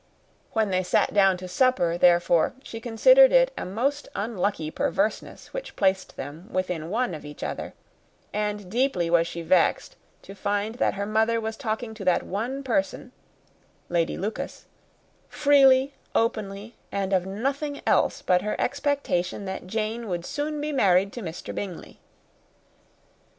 When they sat down to supper, therefore, she considered it a most unlucky perverseness which placed them within one of each other; and deeply was she vexed to find that her mother was talking to that one person (Lady Lucas) freely, openly, and of nothing else but of her expectation that Jane would be soon married to Mr. Bingley.